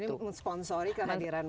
untuk mensponsori kehadiran mereka di sini